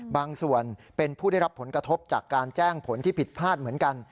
บางส่วนเป็นผู้ได้รับผลกระทบจากการแจ้งผลที่ผิดพลาดเหมือนกัน